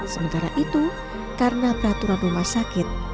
sementara itu karena peraturan rumah sakit